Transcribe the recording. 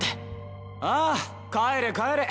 ああ帰れ帰れ。